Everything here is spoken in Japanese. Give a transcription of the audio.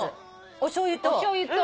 おしょうゆ